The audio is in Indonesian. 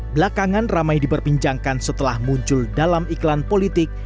belakangan ramai diperbincangkan setelah muncul dalam iklan politik